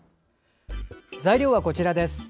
材料はこちらです。